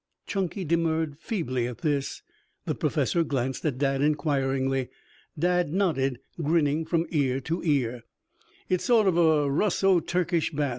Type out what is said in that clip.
Chunky demurred feebly at this. The Professor glanced at Dad inquiringly. Dad nodded, grinning from ear to ear. "It's a sort of Russo Turkish bath.